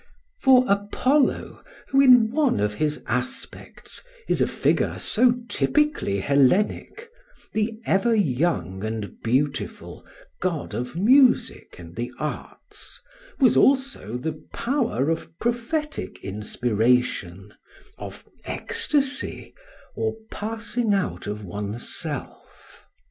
For Apollo, who in one of his aspects is a figure so typically Hellenic, the ever young and beautiful god of music and the arts, was also the Power of prophetic inspiration, of ecstasy or passing out of oneself.